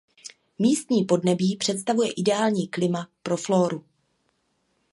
Místní podnebí představuje ideální klima pro flóru.